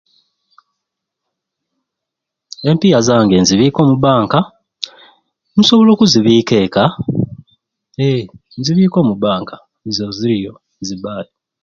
Empiiya zange nzibiika omu bbanka nsobola okuzibiika eka ee nzibiika omu bbanka zo ziriyo zibaayo.